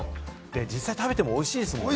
実際食べてもおいしいですもんね。